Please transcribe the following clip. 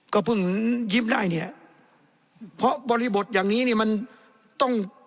ก็เพิ่งยิ้มได้เนี่ยเพราะบริบทอย่างนี้เนี่ยมันต้อง